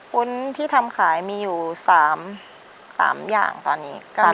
คนที่ทำขายมีอยู่๓อย่างตอนนี้